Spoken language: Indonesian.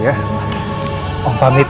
oke om pamit ya